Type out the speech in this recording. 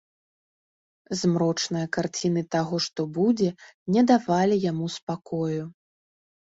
Змрочныя карціны таго, што будзе, не давалі яму спакою.